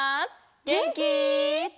げんき？